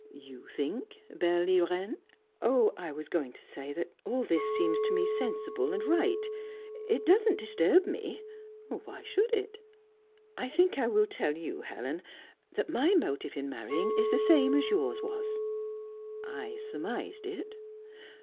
"You think, belle Irene?" "Oh, I was going to say that all this seems to me sensible and right. It doesn't disturb me." "Why should it?" "I think I will tell you, Helen, that my motive in marrying is the same as yours was." "I surmised it."